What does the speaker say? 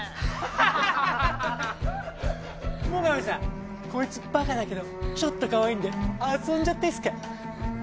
最上さんこいつバカだけどちょっとカワイイんで遊んじゃっていいっすか？